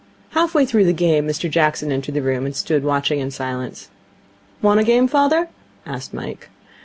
Half way through the game Mr Jackson entered the room, and stood watching in silence. 'Want a game, father?' asked Mike.